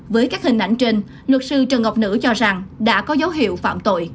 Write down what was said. với các hình ảnh trên luật sư trần ngọc nữ cho rằng đã có dấu hiệu phạm tội